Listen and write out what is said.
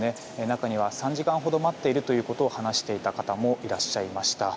中には３時間ほど待っていると話していた方もいらっしゃいました。